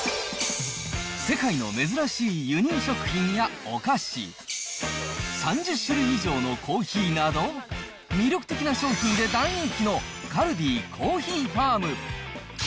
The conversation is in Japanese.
世界の珍しい輸入食品やお菓子、３０種類以上のコーヒーなど、魅力的な商品で大人気のカルディコーヒーファーム。